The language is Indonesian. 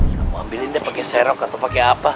kamu ambilin dia pakai serok atau pakai apa